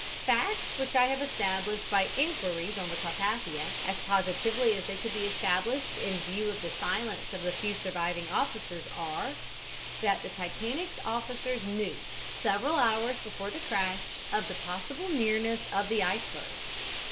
"Facts which I have established by inquiries on the Carpathia, as positively as they could be established in view of the silence of the few surviving officers, are: "That the Titanic's officers knew, several hours before the crash, of the possible nearness of the icebergs.